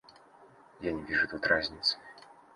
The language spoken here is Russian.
Я не вижу тут разницы.